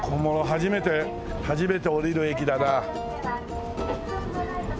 初めて初めて降りる駅だな。